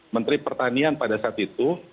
menteri pertanian pada saat itu